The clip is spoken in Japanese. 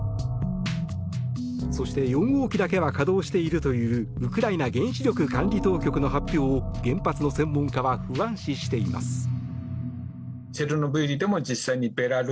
そして４号機だけは稼働しているというウクライナ原子力管理当局の発表を原発の専門家は不安視しています。